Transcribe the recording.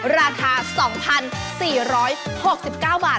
ราคา๒๔๖๙บาท